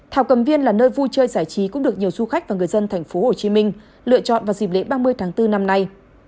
thảo cầm viên là nơi vui chơi giải trí cũng được nhiều du khách và người dân tp hcm lựa chọn vào dịp lễ ba mươi tháng bốn năm nay